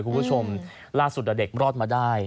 คุณผู้ชมล่าสุดเด็กรอดมาได้